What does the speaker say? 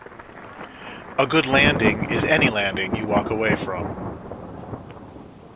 A good landing is any landing you walk away from.